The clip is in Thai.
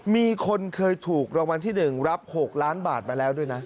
มีคนเคยถูกรางวัลที่๑รับ๖ล้านบาทมาแล้วด้วยนะ